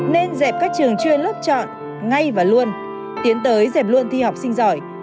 nên dẹp các trường chuyên lớp chọn ngay và luôn tiến tới dẹp luôn thi học sinh giỏi